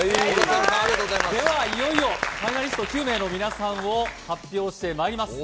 では、いよいよファイナリスト９名の皆さんを発表してまいります。